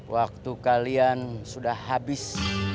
waktu kalian sudah habis